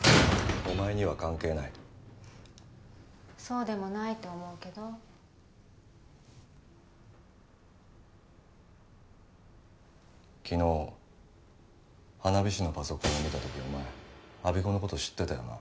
お前には関係ないそうでもないと思うけど昨日花火師のパソコンを見たときお前我孫子のこと知ってたよな